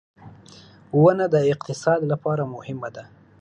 • ونه د اقتصاد لپاره مهمه ده.